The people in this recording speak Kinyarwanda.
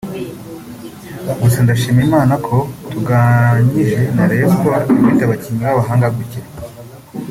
Gusa ndashima Imana ko tunganyije na Rayon Sport ifite abakinnyi b’abahanga gutya